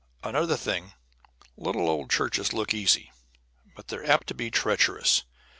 Another thing, little old churches look easy, but they're apt to be treacherous.